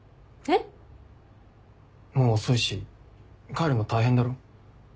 もう遅いし帰るの大変だろ？